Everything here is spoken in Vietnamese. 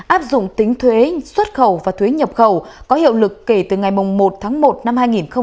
áp dụng tính thuế xuất khẩu và thuế nhập khẩu có hiệu lực kể từ ngày một tháng một năm hai nghìn hai mươi